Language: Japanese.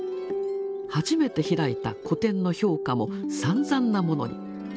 初めて開いた個展の評価もさんざんなものに。